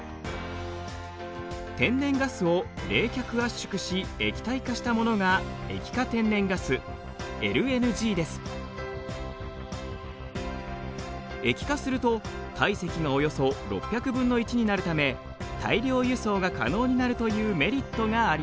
天然ガスを冷却圧縮し液体化したものが液化すると体積がおよそ６００分の１になるため大量輸送が可能になるというメリットがあります。